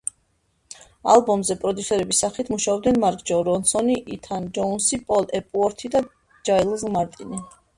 ალბომზე პროდიუსერების სახით მუშაობდნენ მარკ რონსონი, ითან ჯოუნსი, პოლ ეპუორთი და ჯაილზ მარტინი.